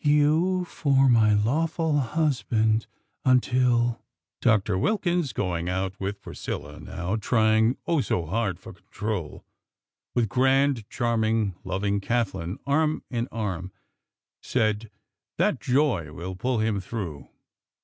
you for my lawful husband, until ..."Doctor Wilkins, going out with Priscilla, now trying, oh, so hard for control; with grand, charming, loving Kathlyn, arm in arm, said: "That joy will pull him through.